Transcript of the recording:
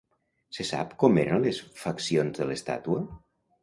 Se sap com eren les faccions de l'estàtua?